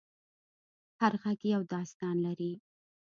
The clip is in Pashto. هر غږ یو داستان لري.